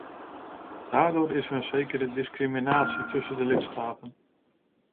Daardoor is er een zekere discriminatie tussen de lidstaten.